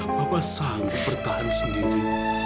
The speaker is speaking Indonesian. bapak sanggup bertahan sendiri